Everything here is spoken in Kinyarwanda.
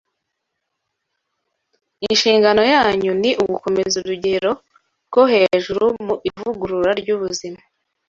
Inshingano yanyu ni ugukomeza urugero rwo hejuru mu ivugurura ry’ubuzima